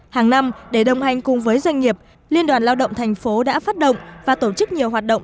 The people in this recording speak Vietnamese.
hàng năm để đồng hành cùng với doanh nghiệp liên đoàn lao động thành phố đã phát động và tổ chức nhiều hoạt động